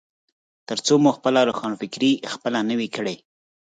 ترڅو مو خپله روښانفکري خپله نه وي کړي.